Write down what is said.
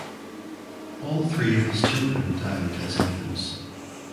All three of his children died as infants.